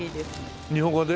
日本語で？